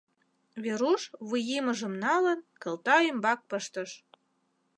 Веруш, вуйимыжым налын, кылта ӱмбак пыштыш.